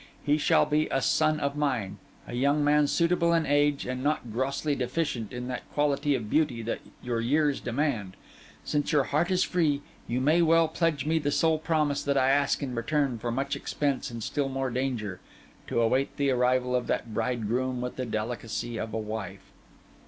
He shall be a son of mine, a young man suitable in age and not grossly deficient in that quality of beauty that your years demand. Since your heart is free, you may well pledge me the sole promise that I ask in return for much expense and still more danger: to await the arrival of that bridegroom with the delicacy of a wife.